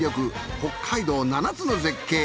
北海道７つの絶景。